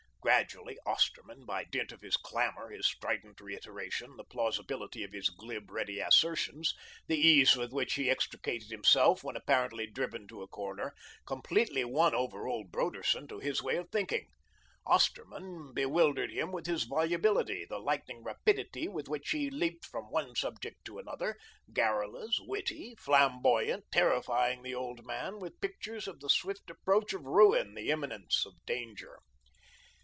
Gradually Osterman, by dint of his clamour, his strident reiteration, the plausibility of his glib, ready assertions, the ease with which he extricated himself when apparently driven to a corner, completely won over old Broderson to his way of thinking. Osterman bewildered him with his volubility, the lightning rapidity with which he leaped from one subject to another, garrulous, witty, flamboyant, terrifying the old man with pictures of the swift approach of ruin, the imminence of danger.